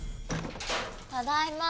ただいま。